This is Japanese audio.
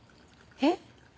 えっ？